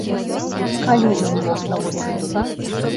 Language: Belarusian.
Калі ён мог навучыцца?